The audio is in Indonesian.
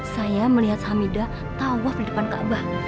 saya melihat hamidah tawaf di depan kaabah